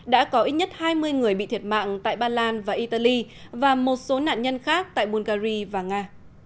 đã có ít nhất hai mươi người bị thiệt mạng tại ba lan và italy và một số nạn nhân khác tại bungary và nga